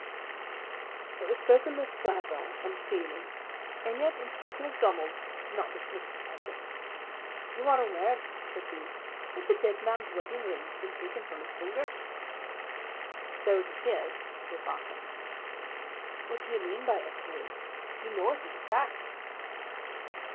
It was spoken with fervour and feeling, and yet Inspector MacDonald could not dismiss the subject. "You are aware," said he, "that the dead man's wedding ring has been taken from his finger?" "So it appears," said Barker. "What do you mean by 'appears'? You know it as a fact."